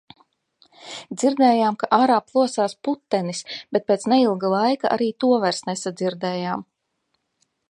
Dzirdējām, kā ārā plosās putenis, bet pēc neilga laika arī to vairs nesadzirdējām.